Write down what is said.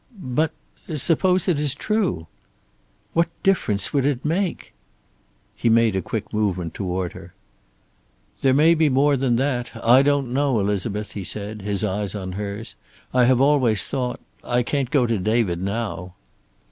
"But suppose it is true?" "What difference would it make?" He made a quick movement toward her. "There may be more than that. I don't know, Elizabeth," he said, his eyes on hers. "I have always thought I can't go to David now."